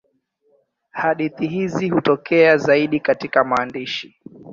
Hadithi hizi hutokea zaidi katika maandishi.